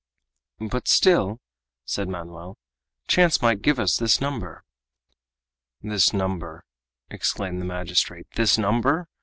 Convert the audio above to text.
"But still," said Manoel, "chance might give us this number." "This number," exclaimed the magistrate "this number?